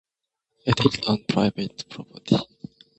It is on private property.